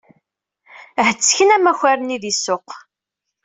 Hettken amakar-nni di ssuq.